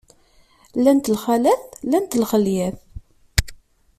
Llant lxalat, llant lxelyat.